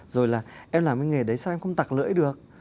rồi là em làm cái nghề đấy sao em không tặc lưỡi được